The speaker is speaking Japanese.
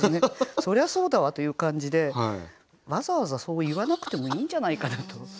「そりゃそうだわ」という感じでわざわざそう言わなくてもいいんじゃないかなと。